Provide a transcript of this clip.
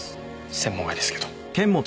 専門外ですけど。